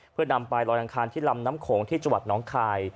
เพื่อนำไปลอยอังคารที่ลำน้ำโขงที่จังหวัดน้องคาย